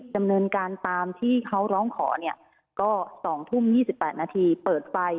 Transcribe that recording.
ดำเนินการตามที่เขาร้องขอเนี่ยก็๒ทุ่ม๒๘นาทีเปิดไฟ